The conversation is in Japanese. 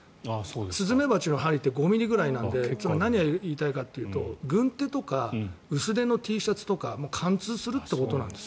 スズメバチの針って５ｍｍぐらいなので何が言いたいかというと軍手とか薄手のＴシャツとかは貫通するってことなんです。